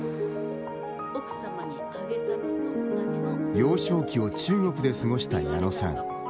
幼少期を中国で過ごした矢野さん。